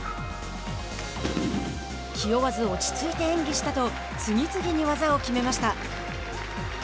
気負わず落ち着いて演技したと次々に技を決めました。